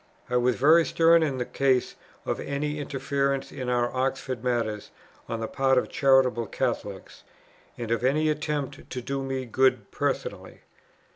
I was very stern in the case of any interference in our Oxford matters on the part of charitable Catholics, and of any attempt to do me good personally.